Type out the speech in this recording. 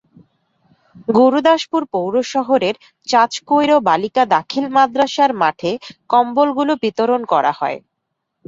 গুরুদাসপুর পৌর শহরের চাঁচকৈড় বালিকা দাখিল মাদ্রাসার মাঠে কম্বলগুলো বিতরণ করা হয়।